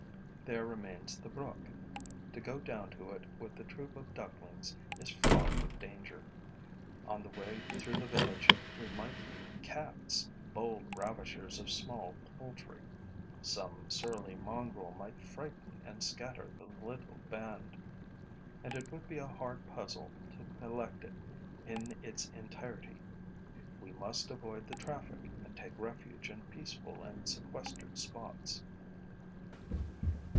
There remains the brook. To go down to it with the troop of ducklings is fraught with danger. On the way through the village, we might meet cats, bold ravishers of small poultry; some surly mongrel might frighten and scatter the little band; and it would be a hard puzzle to collect it in its entirety. We must avoid the traffic and take refuge in peaceful and sequestered spots.